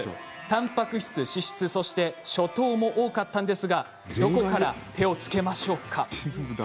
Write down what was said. たんぱく質、脂質そして、ショ糖も多かったんですが、どこから改善していくのでしょうか。